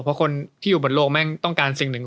เพราะคนที่อยู่บนโลกแม่งต้องการสิ่งหนึ่ง